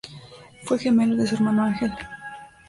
Fue gemelo de su hermano Ángel.